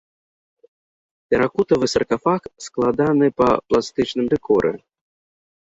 Тэракотавы саркафаг складаны па пластычным дэкоры.